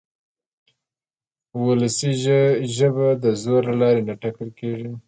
وولسي ژبه د زور له لارې نه ټاکل کېږي.